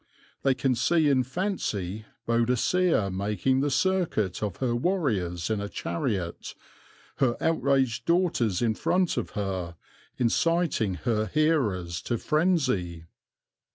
They can see in fancy Boadicea making the circuit of her warriors in a chariot, her outraged daughters in front of her, inciting her hearers to frenzy.